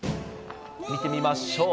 見てみましょう。